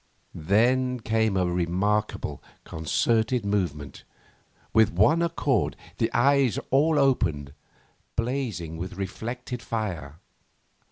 Then came a remarkable, concerted movement. With one accord the eyes all opened, blazing with reflected fire.